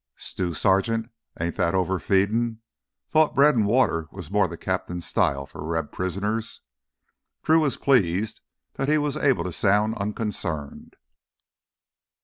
"Stew, Sergeant? Ain't that overfeedin'? Thought bread and water was more the captain's style for Reb prisoners." Drew was pleased that he was able to sound unconcerned.